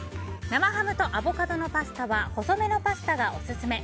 生ハムとアボカドのパスタは細めのパスタがオススメ。